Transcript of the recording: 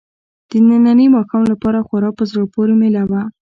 د ننني ماښام لپاره خورا په زړه پورې مېله وه.